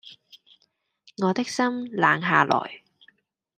我的心冷下來